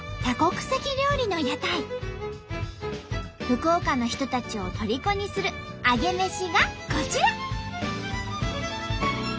福岡の人たちをとりこにするアゲメシがこちら。